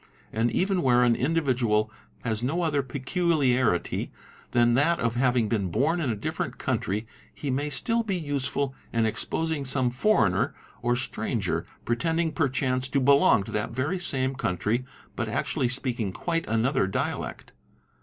And even where an' individual has.no other peculiarity than | that of having been born in a different country, he may still be useful | in exposing some foreigner or stranger pretending perchance to belong : to that very same country but actually speaking quite another dialect.